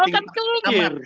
dia akan kelihatan